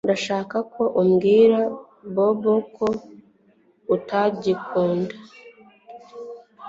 Ndashaka ko ubwira Bobo ko utagikunda